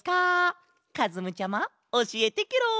かずむちゃまおしえてケロ！